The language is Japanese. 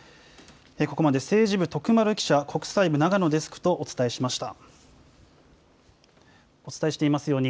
ここまで政治部徳丸記者、国際部長野デスクとお伝えしました。